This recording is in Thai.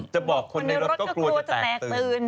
จะบอกคนในรถก็กลัวจะแตกตื่น